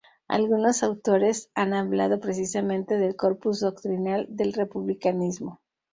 Algunos autores han hablado, precisamente, del corpus doctrinal del republicanismo.